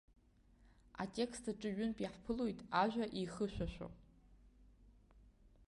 Атекст аҿы ҩынтә иаҳԥылоит ажәа еихышәашәо.